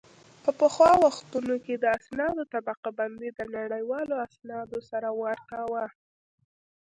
په پخوا وختونو کې د اسنادو طبقه بندي د نړیوالو اسنادو سره ورته وه